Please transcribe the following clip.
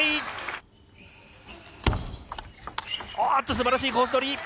素晴らしいコース取り！